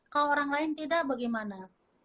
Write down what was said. kalau orang lain tidak bagaimana